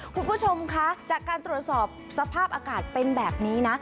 คุณผู้ชมคะจากการตรวจสอบสภาพอากาศเป็นแบบนี้นะ